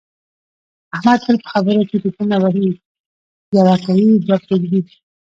احمد تل په خبروکې ټوپونه وهي یوه کوي دوې پرېږدي.